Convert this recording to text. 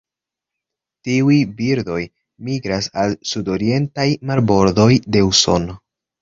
Tiuj birdoj migras al sudorientaj marbordoj de Usono.